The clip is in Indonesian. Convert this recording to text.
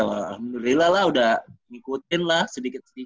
alhamdulillah lah udah ngikutin lah sedikit sedikit